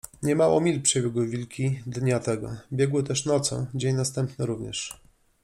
Niemało mil przebiegły wilki dnia tego. Biegły też nocą. Dzień następny również